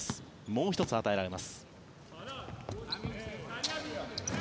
もう１つ与えられます。